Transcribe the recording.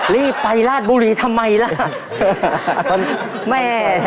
รีบไปราชบุรีทำไมล่ะ